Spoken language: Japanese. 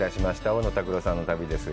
大野拓朗さんの旅です。